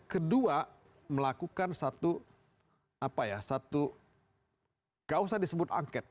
kedua melakukan satu apa ya satu nggak usah disebut angket